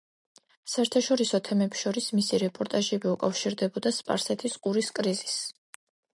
საერთაშორისო თემებს შორის მისი რეპორტაჟები უკავშირდებოდა სპარსეთის ყურის კრიზისს.